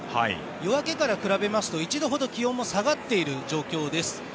夜明けから比べますと１度ほど気温も下がっている状況です。